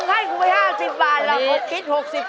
แล้วให้คุณไป๕๐บาทเราคบกิน๖๐บาท